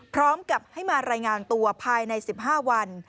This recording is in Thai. พร้อมกับให้มารายงานตัวภายใน๑๕วัน